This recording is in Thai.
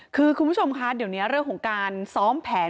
คือคุณผู้ชมคะเดี๋ยวนี้เรื่องของการซ้อมแผน